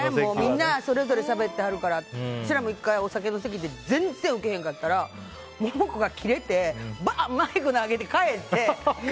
それぞれしゃべってはるからうちらも１回、お酒の席で全然ウケへんかったらモモコがキレてマイク投げて帰って。